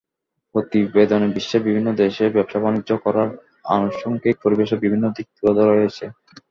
প্রতিবেদনে বিশ্বের বিভিন্ন দেশে ব্যবসা-বাণিজ্য করার আনুষঙ্গিক পরিবেশের বিভিন্ন দিক তুলে ধরা হয়েছে।